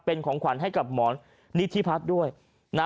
เป็นของขวัญให้กับหมอนิธิพัฒน์ด้วยนะ